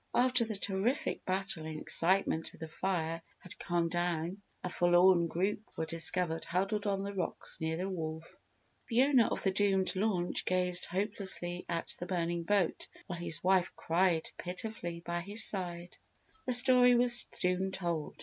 After the terrific battle and excitement with the fire had calmed down a forlorn group were discovered huddled on the rocks near the wharf. The owner of the doomed launch gazed hopelessly at the burning boat while his wife cried pitifully by his side. Their story was soon told.